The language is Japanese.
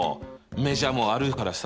メジャーもあるからさ。